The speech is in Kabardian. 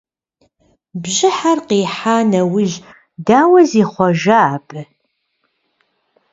Бжьыхьэр къихьа нэужь, дауэ зихъуэжа абы?